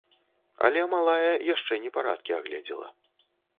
Але малая яшчэ непарадкі агледзела.